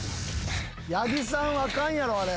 八木さんはあかんやろあれ。